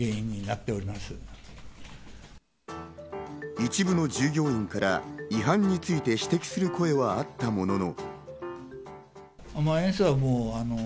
一部の従業員から違反について指摘する声はあったものの。